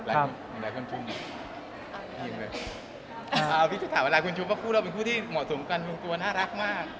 หลายคนชุมเหรอพี่ถามหลายคนชุมว่าคู่เราเป็นคู่ที่เหมาะสมกันคู่ตัวน่ารักมาก